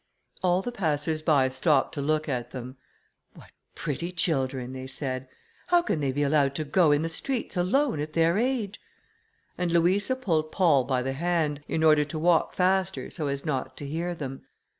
All the passers by stopped to look at them: "What pretty children!" they said, "how can they be allowed to go in the streets alone at their age?" And Louisa pulled Paul by the hand, in order to walk faster, so as not to hear them.